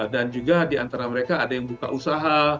dan juga di antara mereka ada yang buka usaha